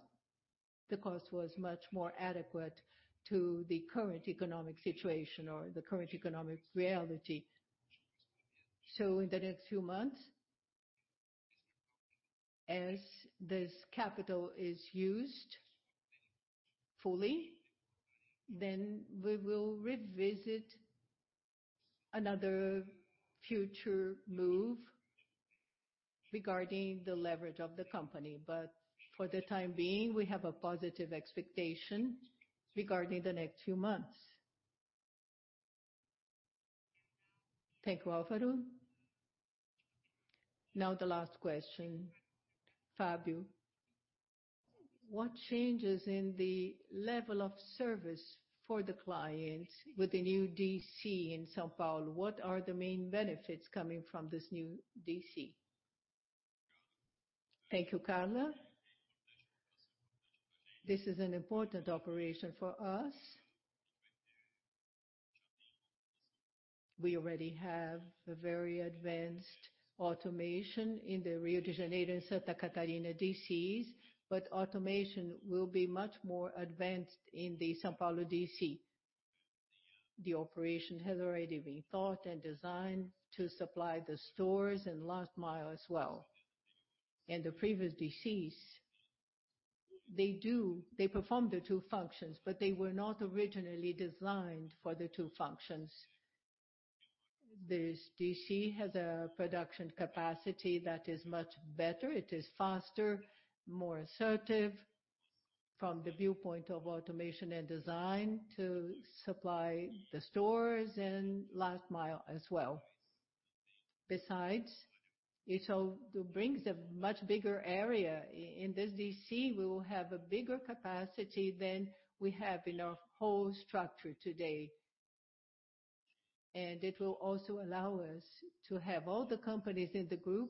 the cost was much more adequate to the current economic situation or the current economic reality. In the next few months, as this capital is used fully, we will revisit another future move regarding the leverage of the company. For the time being, we have a positive expectation regarding the next few months. Thank you, Alvaro. The last question. Fabio, what changes in the level of service for the clients with the new DC in São Paulo? What are the main benefits coming from this new DC? Thank you, Carla. This is an important operation for us. We already have a very advanced automation in the Rio de Janeiro and Santa Catarina DCs, but automation will be much more advanced in the São Paulo DC. The operation has already been thought and designed to supply the stores and last mile as well. In the previous DCs, they performed the two functions, but they were not originally designed for the two functions. This DC has a production capacity that is much better. It is faster, more assertive from the viewpoint of automation and design to supply the stores and last mile as well. It brings a much bigger area. In this DC, we will have a bigger capacity than we have in our whole structure today. It will also allow us to have all the companies in the group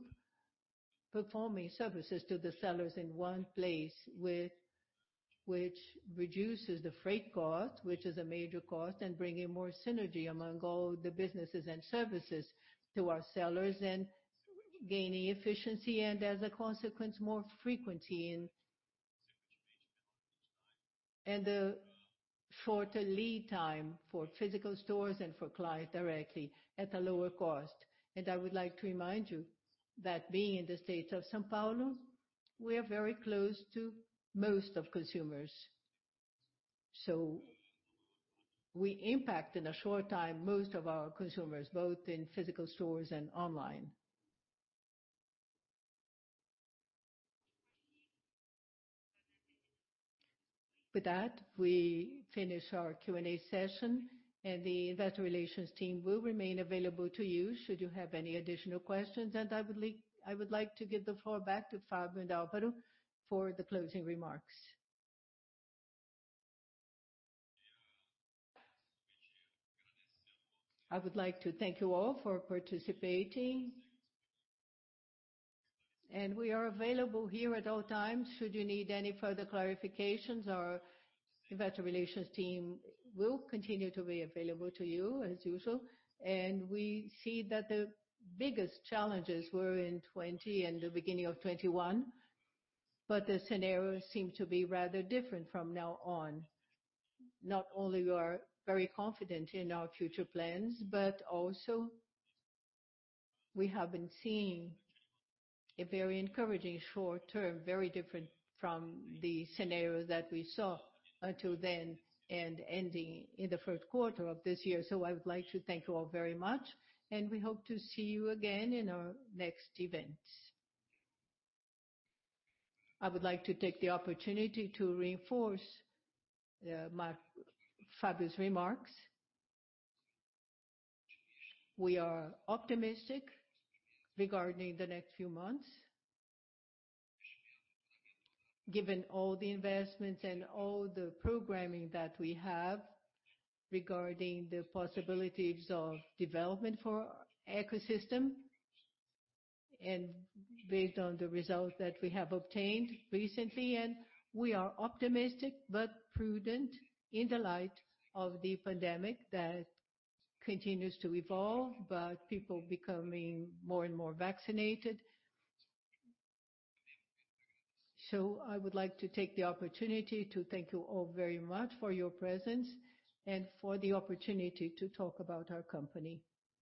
performing services to the sellers in one place, which reduces the freight cost, which is a major cost, bringing more synergy among all the businesses and services to our sellers and gaining efficiency and as a consequence, more frequency and the shorter lead time for physical stores and for client directly at a lower cost. I would like to remind you that being in the state of São Paulo, we are very close to most of consumers. We impact in a short time, most of our consumers, both in physical stores and online. With that, we finish our Q&A session, and the investor relations team will remain available to you should you have any additional questions. I would like to give the floor back to Fabio and Alvaro for the closing remarks. I would like to thank you all for participating. We are available here at all times should you need any further clarifications. Our investor relations team will continue to be available to you as usual. We see that the biggest challenges were in 2020 and the beginning of 2021, but the scenario seems to be rather different from now on. Not only we are very confident in our future plans, but also we have been seeing a very encouraging short term, very different from the scenario that we saw until then and ending in the first quarter of this year. I would like to thank you all very much, and we hope to see you again in our next events. I would like to take the opportunity to reinforce Fabio's remarks. We are optimistic regarding the next few months, given all the investments and all the programming that we have regarding the possibilities of development for our ecosystem and based on the results that we have obtained recently. We are optimistic but prudent in the light of the pandemic that continues to evolve, but people becoming more and more vaccinated. I would like to take the opportunity to thank you all very much for your presence and for the opportunity to talk about our company.